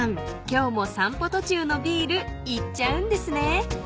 今日も散歩途中のビールいっちゃうんですね］